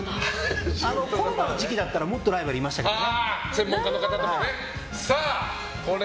コロナの時期だったらもっとライバルいましたけどね。